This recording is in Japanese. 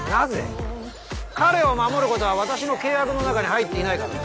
彼を守ることは私の契約の中に入っていないからだ。